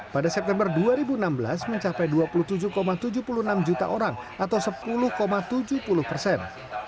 pada september dua ribu enam belas mencapai dua puluh tujuh tujuh puluh enam juta orang atau sepuluh tujuh puluh persen